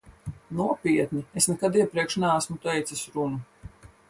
Nopietni, es nekad iepriekš neesmu teicis runu.